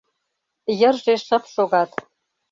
Йырже шып шогат.